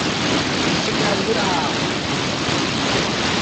Třikrát hurá!!!